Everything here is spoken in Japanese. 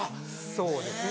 そうですね。